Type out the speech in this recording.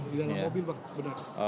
di dalam mobil bang benar